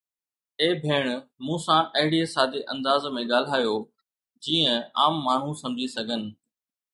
اي ڀيڻ، مون سان اهڙي سادي انداز ۾ ڳالهايو، جيئن عام ماڻهو سمجهي سگهن